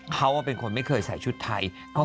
เขาเป็นคนไม่เคยใส่ชุดไทย